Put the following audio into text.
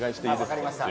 分かりました。